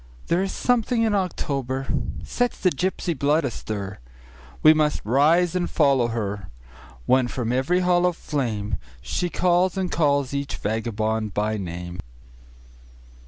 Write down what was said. There is something in October sets the gypsy blood astir; We must rise and follow her, When from every hill of flameShe calls and calls each vagabond by name.